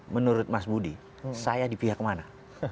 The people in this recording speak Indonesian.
menurut mas budi saya di pihak mana